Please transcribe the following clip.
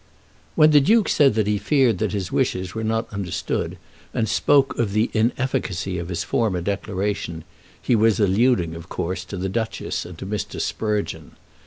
When the Duke said that he feared that his wishes were not understood, and spoke of the inefficacy of his former declaration, he was alluding of course to the Duchess and to Mr. Sprugeon.